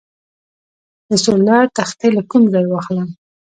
د سولر تختې له کوم ځای واخلم؟